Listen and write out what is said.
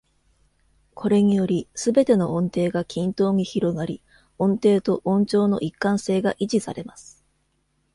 これにより、すべての音程が均等に広がり、音程と音調の一貫性が維持されます。